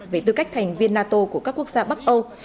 về tư cách thành viên nato của các quốc gia bắc âu